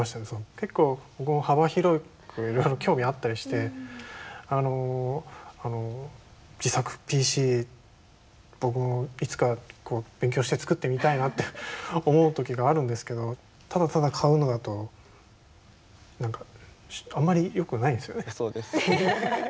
結構僕も幅広くいろいろ興味あったりしてあの自作ＰＣ僕もいつか勉強して作ってみたいなって思う時があるんですけどただただ買うのだと何かあんまりよくないですよね。